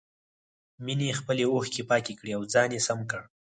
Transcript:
مينې خپلې اوښکې پاکې کړې او ځان يې سم کړ.